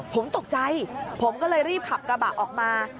ผมตกใจผมก็เลยรีบขับกระบะออกมา